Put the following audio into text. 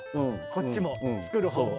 こっちも作る方も。